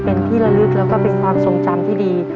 เป็นที่ละลึกแล้วก็เป็นความทรงจำที่ดี